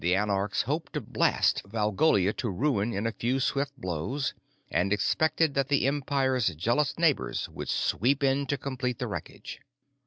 The anarchs hoped to blast Valgolia to ruin in a few swift blows, and expected that the Empire's jealous neighbors would sweep in to complete the wreckage.